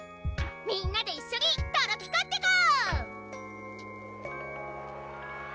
みんなで一緒にトロピカってこ！